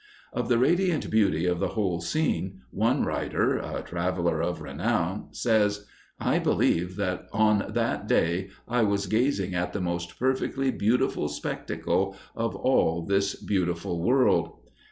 Of the radiant beauty of the whole scene, one writer, a traveler of renown, says: "I believe that on that day I was gazing at the most perfectly beautiful spectacle of all this beautiful world.